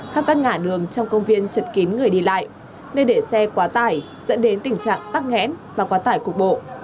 khắp các ngã đường trong công viên trật kín người đi lại nơi để xe quá tải dẫn đến tình trạng tắc nghẽn và quá tải cuộc bộ